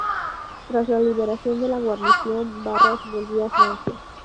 Tras la liberación de la guarnición, Barras volvió a Francia.